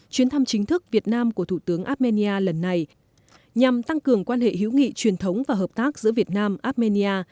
chuyến thăm chính thức việt nam của thủ tướng armenia lần này nhằm tăng cường quan hệ hữu nghị truyền thống và hợp tác giữa việt nam armenia